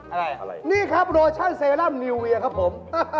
อะไรอะไรนี่ครับโรชั่นเซรั่มนิวเวียครับผม